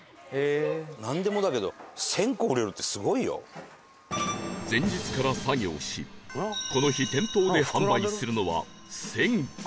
なんでもだけど前日から作業しこの日店頭で販売するのは１０００個